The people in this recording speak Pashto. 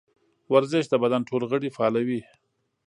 ورزش د بدن ټول غړي فعالوي.